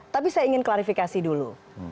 tapi saya ingin klarifikasi dulu